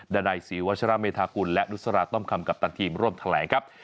ดันัยศรีวัชราเมธากุลและนุษราต้อมคำกัปตันทีมร่วมแถลงครับ